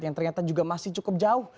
yang ternyata juga masih cukup jauh